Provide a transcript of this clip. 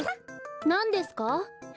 なんですか？